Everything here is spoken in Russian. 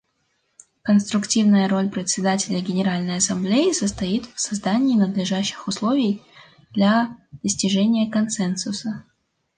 Конструктивная роль Председателя Генеральной Ассамблеи состоит в создании надлежащих условий для достижения консенсуса.